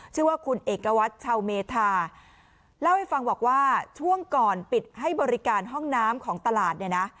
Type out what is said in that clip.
ชื่อว่าคุณเอกวัตรชาวเมธาเล่าให้ฟังบอกว่าช่วงก่อนปิดให้บริการห้องน้ำของตลาดเนี่ยนะ